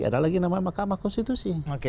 ada lagi yang namanya mahkamah konstitusi